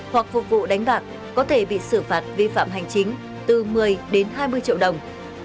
hoặc phục vụ đánh bạc có thể bị xử phạt vi phạm hành chính từ một mươi đến hai mươi triệu đồng